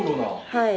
はい。